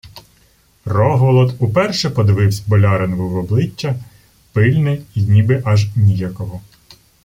Рогволод уперше подививсь боляринові в обличчя пильне й ніби аж ніяково.